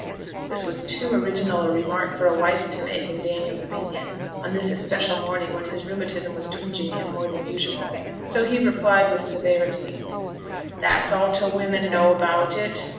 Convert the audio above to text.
This was too original a remark for a wife to make in Daniel's opinion, on this especial morning, when his rheumatism was twinging him more than usual, so he replied with severity 'That's all t' women know about it.